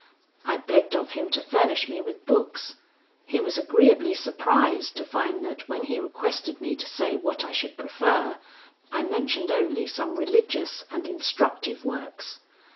I begged of him to furnish me with books. He was agreeably surprised to find that when he requested me to say what I should prefer, I mentioned only some religious and instructive works.